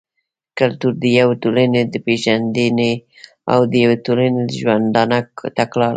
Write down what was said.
کلتور د يوې ټولني د پېژندني او د يوې ټولني د ژوندانه تګلاره ده.